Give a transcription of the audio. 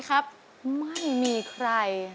เหลือฉันไว้